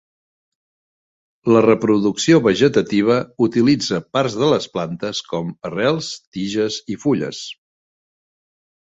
La reproducció vegetativa utilitza parts de les plantes com arrels, tiges i fulles.